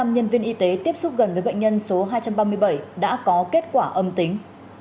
một mươi nhân viên y tế tiếp xúc gần với bệnh nhân số hai trăm ba mươi bảy đã có kết quả âm tính